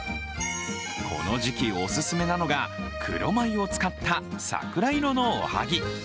この時期おすすめなのが黒米を使った桜色のおはぎ。